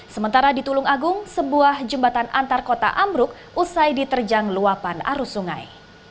sementara di tulung agung sebuah jembatan antar kota ambruk usai diterjang luapan arus sungai